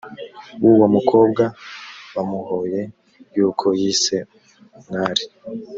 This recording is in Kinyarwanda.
w uwo mukobwa bamuhoye yuko yise umwari